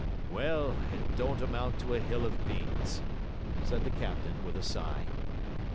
'Well, it don't amount to a hill of beans,' said the captain with a sigh.